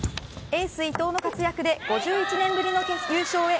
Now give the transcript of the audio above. エース伊藤の活躍で５１年ぶりの優勝へ。